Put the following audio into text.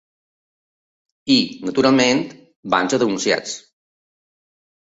I, naturalment, van ser denunciats.